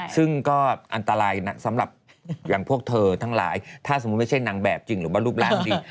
ซึ่งก็อันตรายนะสำหรับอย่างพวกเธอทั้งหลายถ้าสมมุติไม่ใช่นางแบบจริงหรือว่ารูปร่างดี